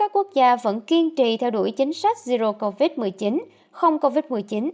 quốc gia vẫn kiên trì theo đuổi chính sách zero covid một mươi chín không covid một mươi chín